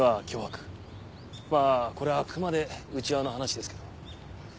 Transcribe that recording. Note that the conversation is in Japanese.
まあこれはあくまで内輪の話ですけど。